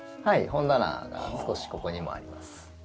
はい本棚が少しここにもあります。